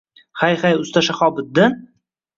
Hay, hay, usta Shahobiddin